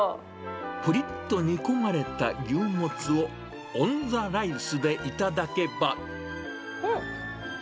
ぷりっと煮込まれた牛モツを、オン・ザ・ライスで頂けば。